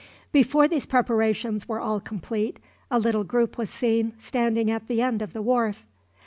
Before these preparations were all complete, a little group was seen, standing at the end of the wharf.